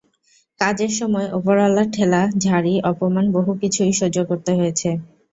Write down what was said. কাজের সময় ওপরঅলার ঠেলা, ঝাড়ি, অপমান বহু কিছুই সহ্য করতে হয়েছে।